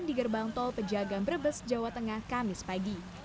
di gerbang tol pejagaan brebes jawa tengah kamis pagi